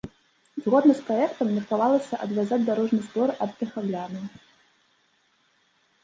Згодна з праектам, меркавалася адвязаць дарожны збор ад тэхагляду.